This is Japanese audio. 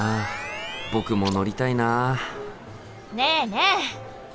僕も乗りたいなねえねえ。